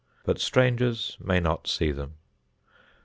but strangers may not see them.